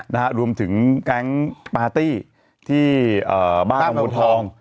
นะฮะรวมถึงแก๊งปาร์ตี้ที่เอ่อบ้านบางบัวทอง